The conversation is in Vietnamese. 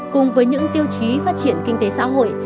cùng với những tiêu chí phát triển kinh tế xã hội